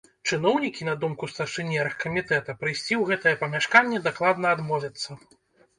Чыноўнікі, на думку старшыні аргкамітэта, прыйсці ў гэтае памяшканне дакладна адмовяцца.